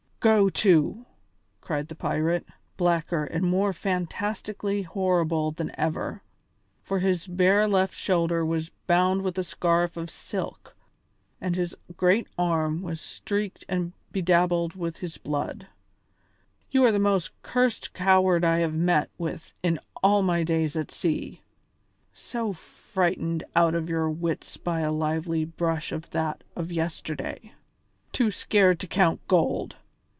"Go to!" cried the pirate, blacker and more fantastically horrible than ever, for his bare left shoulder was bound with a scarf of silk and his great arm was streaked and bedabbled with his blood, "you are the most cursed coward I have met with in all my days at sea. So frightened out of your wits by a lively brush as that of yesterday! Too scared to count gold!